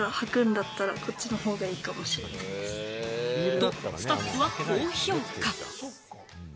と、スタッフは高評価。